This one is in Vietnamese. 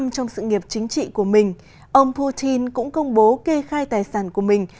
trong sự nghiệp chính trị của mình ông putin cũng công bố kê khai tài sản của mình